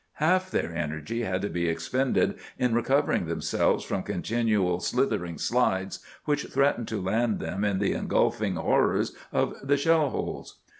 Half their energy had to be expended in recovering themselves from continual slithering slides which threatened to land them in the engulfing horrors of the shell holes.